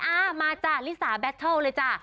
อ่ามาจ้ะลิสาแบตเทิลเลยจ้ะ